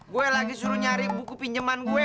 gue lagi suruh nyari buku pinjaman gue